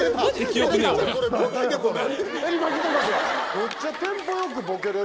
むっちゃテンポ良くボケれる。